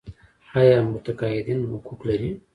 آیا متقاعدین حقوق لري؟